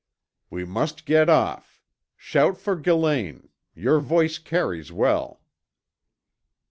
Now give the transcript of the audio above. "We must get off. Shout for Gillane. Your voice carries well."